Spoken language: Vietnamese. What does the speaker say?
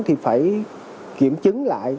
thì phải kiểm chứng lại